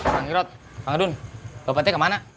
kang hirot kang edun bapak t kemana